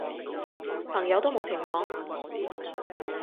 朋友都冇情講